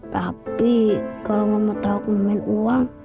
tapi kalau mama tahu aku minumin uang